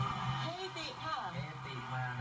ข้อมูลเข้ามาดูครับ